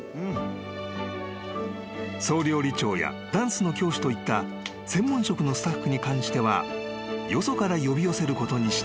［総料理長やダンスの教師といった専門職のスタッフに関してはよそから呼び寄せることにした］